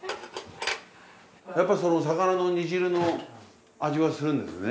やっぱりその魚の煮汁の味はするんですね？